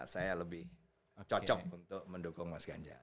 saya lebih cocok untuk mendukung mas ganjar